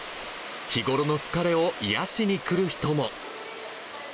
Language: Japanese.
日頃の疲れを癒やしに来る人も。